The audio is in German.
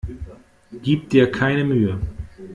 Gib dir keine Mühe!